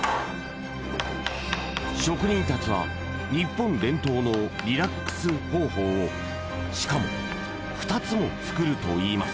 職人たちは日本伝統のリラックス方法をしかも２つも作るといいます